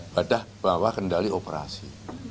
bada bawah kendali operasi